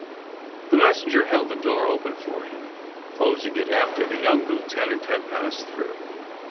The messenger held the door open for him, closing it after the young lieutenant had passed through.